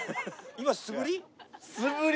今素振り？